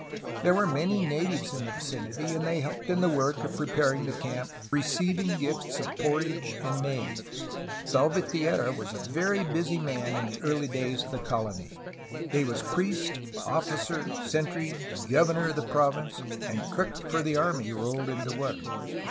There were many natives in the vicinity, and they helped in the work of preparing the camp, receiving gifts of porridge and maize. Salvatierra was a very busy man in the early days of the colony. He was priest, officer, sentry, governor of the province, and cook for the army rolled into one.